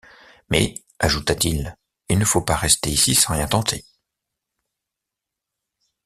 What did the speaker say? Mais, ajouta-t-il, il ne faut pas rester ici sans rien tenter.